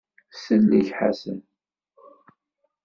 Sellek Ḥasan!